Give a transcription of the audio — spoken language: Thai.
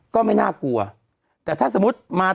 กรมป้องกันแล้วก็บรรเทาสาธารณภัยนะคะ